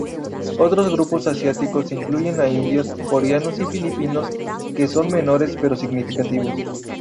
Otros grupos asiáticos incluyen a indios, coreanos y filipinos que son menores pero significativos.